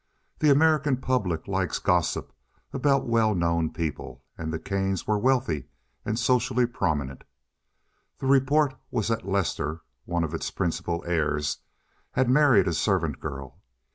The American public likes gossip about well known people, and the Kanes were wealthy and socially prominent. The report was that Lester, one of its principal heirs, had married a servant girl.